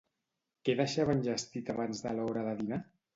Què deixava enllestit abans de l'hora de dinar?